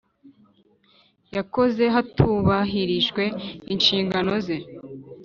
Yakoze hatubahirijwe inshingano ze